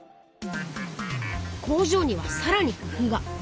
工場にはさらにくふうが。